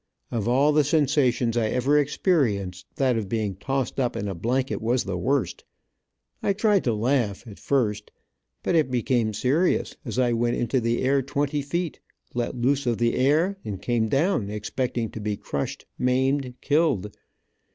Of all the sensations I ever experienced, that of being tossed up in a blanket was the worst. I tried to laugh, at first, but it became serious, as I went into the air twenty feet, let loose of the air and came down, expecting to be crushed maimed, killed.